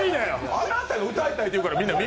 あなたが歌いたいって言うから。